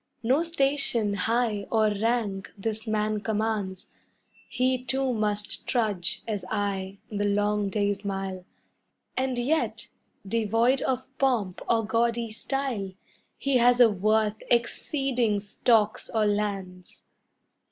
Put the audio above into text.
No station high or rank this man commands, He, too, must trudge, as I, the long day's mile; And yet, devoid of pomp or gaudy style, He has a worth exceeding stocks or lands.